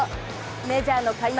メジャーの開幕